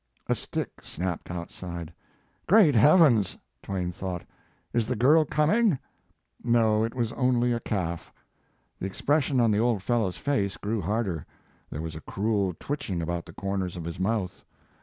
A stick snapped outside. "Great heavens!" Twain thought, "is the girl coming?" No, it was only a calf. The expression on the old fellow s face grew harder. There was a cruel twitching about the corners of his mouth.